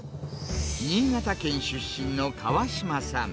新潟県出身の川島さん。